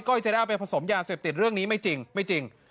ก้อยจะได้เอาไปผสมยาเสพติดเรื่องนี้ไม่จริง